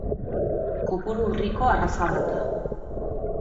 Kopuru urriko arraza bat da.